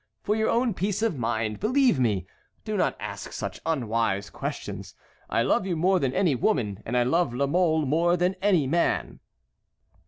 For your own peace of mind, believe me, do not ask such unwise questions. I love you more than any woman, and I love La Mole more than any man."